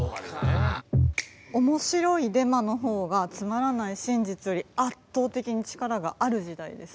面白いデマのほうがつまらない真実より圧倒的に力がある時代です。